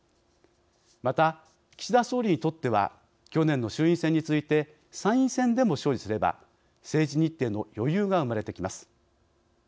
また、岸田総理にとっては去年の衆院選に続いて参院選でも勝利すれば政治日程の余裕が生まれてきます。